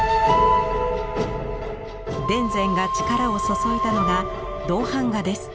田善が力を注いだのが銅版画です。